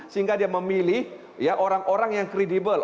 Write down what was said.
sehingga dia memilih orang orang yang kredibel